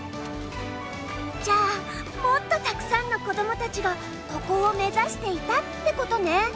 じゃあもっとたくさんのこどもたちがここを目指していたってことね。